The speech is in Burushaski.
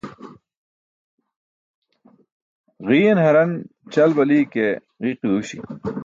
Ġiiyaṅ haraṅ ćal bali ke ġiiki duuśi